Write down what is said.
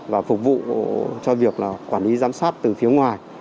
và phục vụ cho việc quản lý giám sát từ phía ngoài